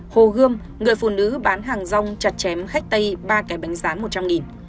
hồ gươm người phụ nữ bán hàng rong chặt chém khách tây ba cái bánh rán một trăm linh